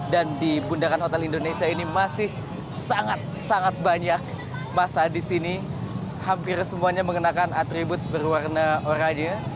dan di bundaran hotel indonesia ini masih sangat sangat banyak masa di sini hampir semuanya mengenakan atribut berwarna oranye